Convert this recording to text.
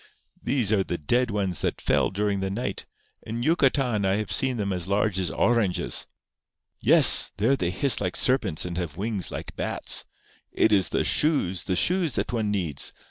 These are the dead ones that fell during the night. In Yucatan I have seen them as large as oranges. Yes! There they hiss like serpents, and have wings like bats. It is the shoes—the shoes that one needs!